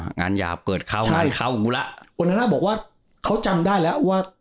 อ่างานยาเกิดเข้าใช่เข้าหูละโอนานะบอกว่าเขาจำได้แล้วว่า